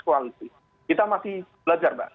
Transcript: koalisi kita masih belajar